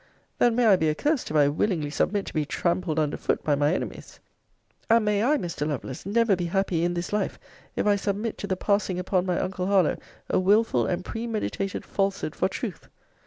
Then may I be accursed, if I willingly submit to be trampled under foot by my enemies! And may I, Mr. Lovelace, never be happy in this life, if I submit to the passing upon my uncle Harlowe a wilful and premeditated falshood for truth!